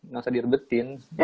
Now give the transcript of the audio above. gak usah direbetin